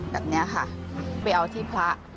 แบบนี้ค่ะไปเอาที่พระ